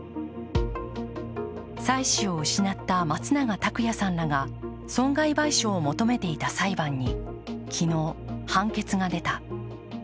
妻子を失った松永拓也さんらが損害賠償を求めていた裁判に、昨日判決が出た。